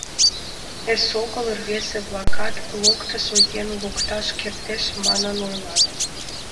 Эсогыл рвезе-влакат «локтызо еҥ локташ кертеш» манын ойлат.